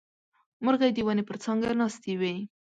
مرغۍ د ونې پر څانګه ناستې وې.